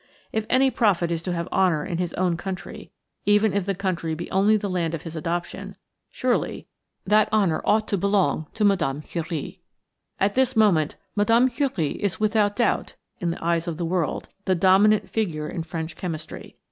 If any prophet is to have honour in his own country even if the country be only the land of his adoption surely, that honour ought to belong to Mme. Curie. At this moment, Mme. Curie is without doubt, in the eyes of the world, the dominant figure in French chemistry.